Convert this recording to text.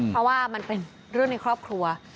เพราะว่ามันเป็นเรื่องในครอบครัว